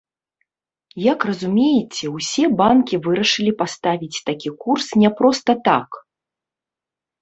Як разумееце, усе банкі вырашылі паставіць такі курс не проста так.